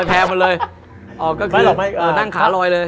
รอยแพ้มันเลยนั่งขารอยเลย